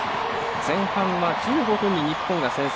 前半は１５分に日本が先制。